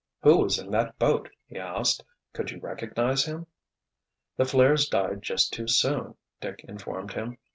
"Who was in that boat?" he asked. "Could you recognize him?" "The flares died just too soon," Dick informed him.